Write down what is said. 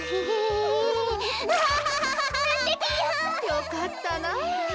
よかったな。